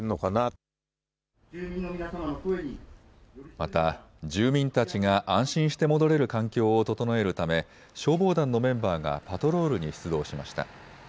また住民たちが安心して戻れる環境を整えるため、消防団のメンバーがパトロールに出動しました。